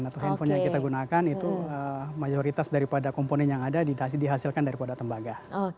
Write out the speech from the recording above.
atau handphone yang kita gunakan itu mayoritas daripada komponen yang ada dihasilkan daripada tembaga